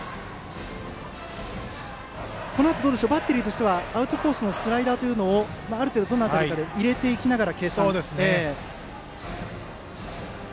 このあと、バッテリーとしてはアウトコースのスライダーというのをある程度、どの辺りかで入れていきながら。